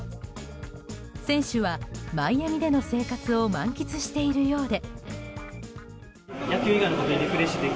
選手はマイアミでの生活を満喫しているようで。